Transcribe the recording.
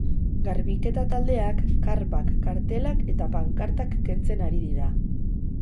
Garbiketa taldeak karpak, kartelak eta pankartak kentzen ari dira.